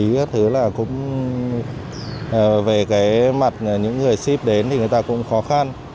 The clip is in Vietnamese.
cái thứ là cũng về cái mặt những người ship đến thì người ta cũng khó khăn